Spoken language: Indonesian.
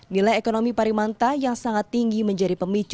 nilai ekonomi parimanta yang sangat tinggi menjadi pemicu